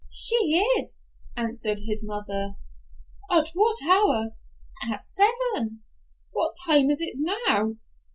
"She is," answered his mother. "At what hour?" "At seven." "What time is it now?"